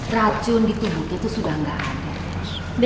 racun di tempat itu sudah gak ada